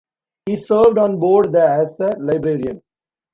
He served on board the as a librarian.